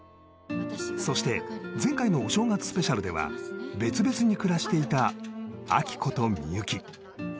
そして前回のお正月スペシャルでは別々に暮らしていた亜希子とみゆき